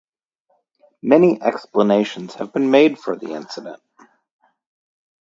Many explanations have been made for the incident.